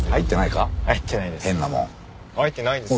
入ってないですよ。